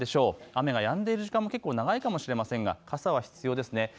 雨がやんでいる時間も結構長いかもしれませんが傘は必要です。